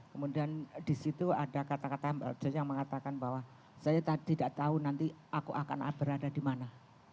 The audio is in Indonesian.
kemudian disitu ada kata kata mbak dorca yang mengatakan bahwa saya tidak tahu nanti aku akan berada dimana